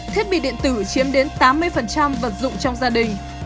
thiết bị điện tử chiếm đến tám mươi vật dụng trong gia đình